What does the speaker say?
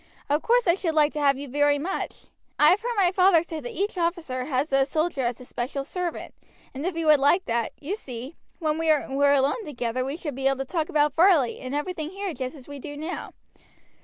Of course I should like to have you very much. I have heard my father say that each officer has a soldier as his special servant; and if you would like that, you see, when we were alone together we should be able to talk about Varley and everything here just as we do now.